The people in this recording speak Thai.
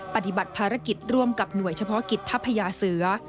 ปฏิบัติภารกิจร่วมกับหน่วยเฉพาะกิจทัพยาเสือ